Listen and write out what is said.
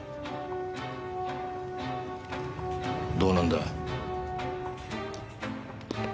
どうなんだ？